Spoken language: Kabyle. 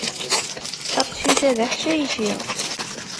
Aqcic-a d aḥcayci.